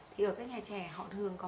thì ở các nhà trẻ họ thường có